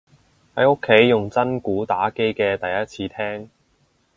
喺屋企用真鼓打機嘅第一次聽